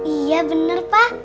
iya bener pak